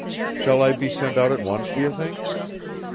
"Shall I be sent out at once, do you think?"